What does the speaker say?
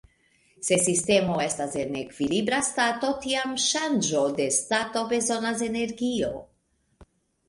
Se sistemo estas en ekvilibra stato tiam ŝanĝo de stato bezonas energio.